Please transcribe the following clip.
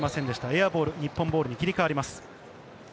エアボール、日本ボールに切り替わります。